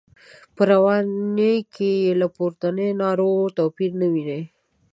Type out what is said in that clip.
په رواني کې یې له پورتنیو نارو توپیر نه ویني.